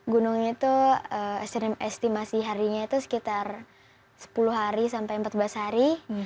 gunungnya itu estimasi harinya itu sekitar sepuluh hari sampai empat belas hari